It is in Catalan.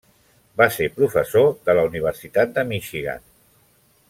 Va ser professor de la Universitat de Michigan.